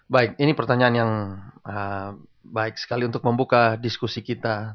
baik ini pertanyaan yang baik sekali untuk membuka diskusi kita